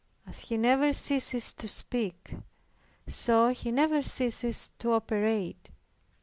As He never ceases to speak, so He never ceases to operate.